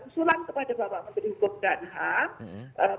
usulan kepada bapak menteri hukum dan ham